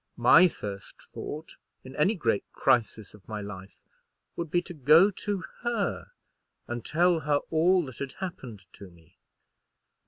"My first thought, in any great crisis of my life, would be to go to her, and tell her all that had happened to me."